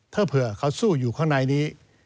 ถ้าเผื่อเขาสู้อยู่ข้างในนี้